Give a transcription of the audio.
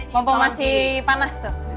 mampu masih panas tuh